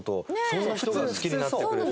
そんな人が好きになってくれて。